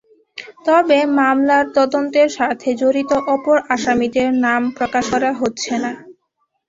তবে মামলার তদন্তের স্বার্থে জড়িত অপর আসামিদের নাম প্রকাশ করা হচ্ছে না।